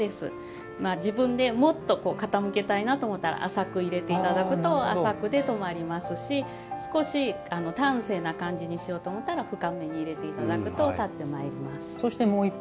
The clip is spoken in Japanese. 自分でもっと傾けたいなと思ったら浅く入れていただくと浅くで止まりますし少し、端正な感じにしようと思ったら深めに入れていただくと立ってまいります。